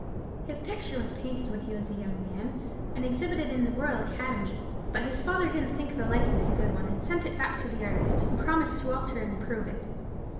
His picture was painted when he was a young man, and exhibited in the Royal Academy; but his father didn't think the likeness a good one, and sent it back to the artist, who promised to alter and improve it.